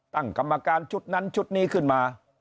ตั้งกรรมการชุดนั้นชุดนี้ขึ้นมา